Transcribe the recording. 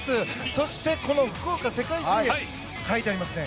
そして、この福岡世界水泳書いてありますね